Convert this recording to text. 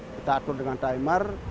kita atur dengan timer